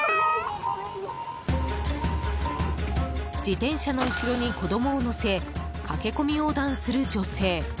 自転車の後ろに子供を乗せ駆け込み横断する女性。